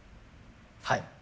はい。